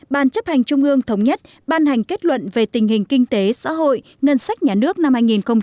một mươi bàn chấp hành trung ương thống nhất ban hành kết luận về tình hình kinh tế xã hội ngân sách nhà nước năm hai nghìn một mươi sáu